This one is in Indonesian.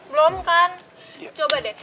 belum kan coba deh